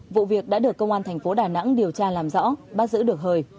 vụ việc đã được công an thành phố đà nẵng điều tra làm rõ bắt giữ được hời